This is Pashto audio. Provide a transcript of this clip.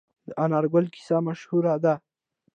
د انار ګل کیسه مشهوره ده.